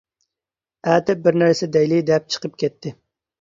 ئەتە بىر نەرسە دەيلى دەپ چىقىپ كەتتى.